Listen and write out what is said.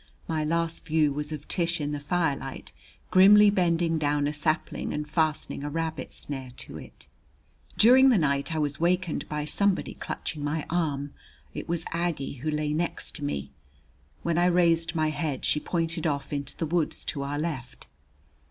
My last view was of Tish in the firelight grimly bending down a sapling and fastening a rabbit snare to it. During the night I was wakened by somebody clutching my arm. It was Aggie who lay next to me. When I raised my head she pointed off into the woods to our left.